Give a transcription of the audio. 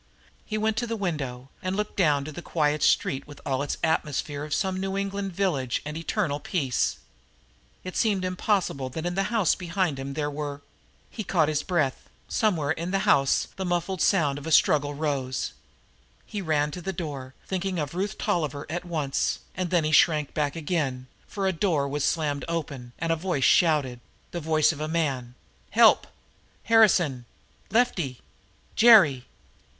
He went to the window and looked down to the quiet street with all its atmosphere of some old New England village and eternal peace. It seemed impossible that in the house behind him there were He caught his breath. Somewhere in the house the muffled sound of a struggle rose. He ran to the door, thinking of Ruth Tolliver at once, and then he shrank back again, for a door was slammed open, and a voice shouted the voice of a man: "Help! Harrison! Lefty! Jerry!"